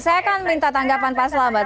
saya akan minta tanggapan pak selamat